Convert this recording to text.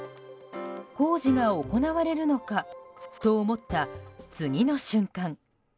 工事が行われるのかと思った次の瞬間。